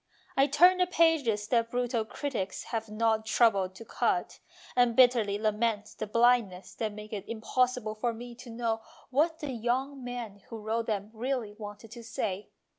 I turn the pages that brutal critics have not troubled to cut, and bitterly lament the blind ness that makes it impossible for me to know what the young men who wrote them really wanted to say.